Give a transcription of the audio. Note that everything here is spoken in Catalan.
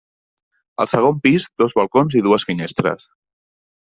Al segon pis dos balcons i dues finestres.